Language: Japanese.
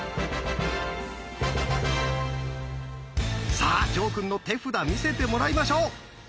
さあ呈くんの手札見せてもらいましょう。